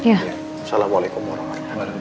assalamualaikum warahmatullahi wabarakatuh